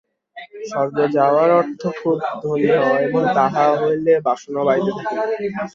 স্বর্গে যাওয়ার অর্থ খুব ধনী হওয়া, এবং তাহা হইলে বাসনাও বাড়িতে থাকিবে।